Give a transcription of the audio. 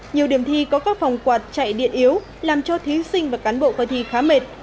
nhiều điểm thi có các phòng quạt chạy điện yếu làm cho thí sinh và cán bộ coi thi khá mệt